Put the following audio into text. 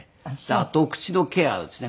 あと口のケアですね。